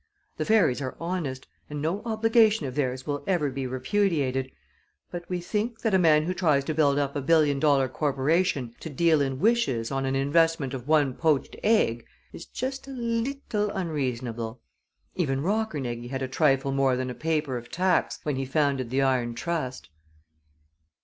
The fairies are honest, and no obligation of theirs will ever be repudiated, but we think that a man who tries to build up a billion dollar corporation to deal in wishes on an investment of one poached egg is just a leetle unreasonable. Even Rockernegie had a trifle more than a paper of tacks when he founded the iron trust."